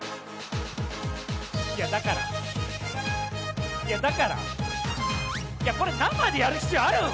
いやだからいやだからいやこれ生でやる必要あるの？